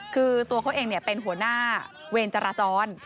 คือตัวเขาเองเป็นหัวหน้าเวรจราจร